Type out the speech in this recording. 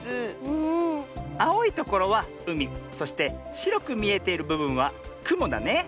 ところはうみそしてしろくみえているぶぶんはくもだね。